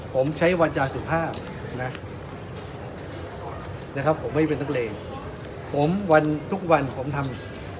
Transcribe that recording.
ผมใช้วาจาสุภาพนะนะครับผมไม่ได้เป็นนักเลงผมวันทุกวันผมทำ